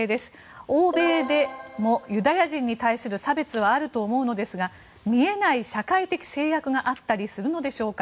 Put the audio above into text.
欧米でもユダヤ人に対する差別はあると思うのですが見えない社会的制約があったりするのでしょうか。